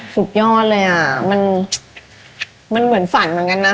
สุดยอดเลยอ่ะมันเหมือนฝันเหมือนกันนะ